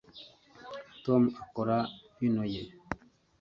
Tom akora vino ye